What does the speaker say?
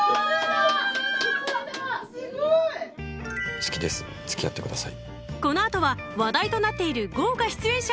好きです付き合ってください。